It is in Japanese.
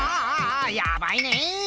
やばいね！